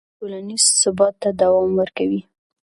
عدالت ټولنیز ثبات ته دوام ورکوي.